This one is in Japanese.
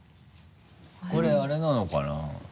これあれなのかな？